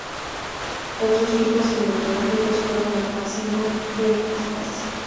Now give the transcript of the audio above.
Otros "fijos" cinematográficos fueron Al Pacino y Kevin Spacey.